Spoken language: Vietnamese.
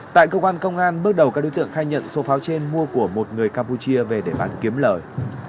tại công an công an bước đầu các đối tượng khai nhận số pháo trên mua của một người campuchia về để bán kiếm lợi